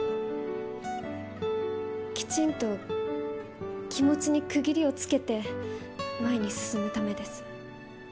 きちんと気持ちに区切りをつけて前に進むためです。